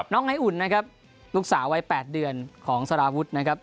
นายอุ่นนะครับลูกสาววัย๘เดือนของสารวุฒินะครับ